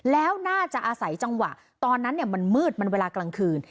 แล้วน่าจะอาศัยจังหวะตอนนั้นมันมืดมันเวลากลางคืน